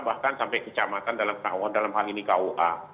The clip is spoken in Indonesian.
bahkan sampai kecamatan dalam hal ini kua